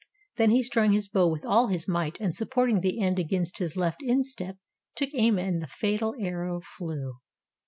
Then he strung his bow with all his might and supporting the end against his left instep, took aim and the fatal arrow flew.